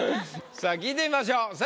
さあ聞いてみましょう。